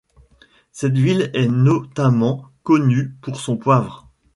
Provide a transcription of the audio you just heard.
Cette ville est notamment connue pour son poivre.